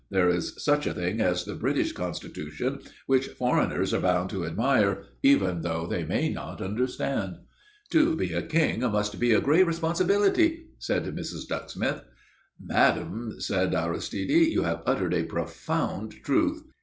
There is such a thing as the British Constitution, which foreigners are bound to admire, even though they may not understand." "To be a king must be a great responsibility," said Mrs. Ducksmith. "Madame," said Aristide, "you have uttered a profound truth."